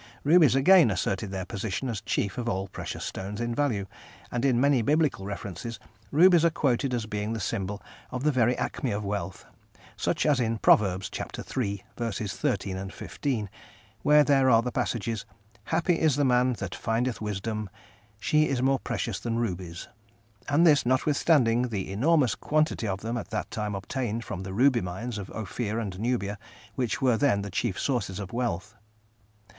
Rubies again asserted their position as chief of all precious stones in value, and in many biblical references rubies are quoted as being the symbol of the very acme of wealth, such as in Proverbs, chapter iii., verses 13 and 15, where there are the passages, "happy is the man that findeth wisdom ... she is more precious than rubies" and this, notwithstanding the enormous quantity of them at that time obtained from the ruby mines of Ophir and Nubia, which were then the chief sources of wealth.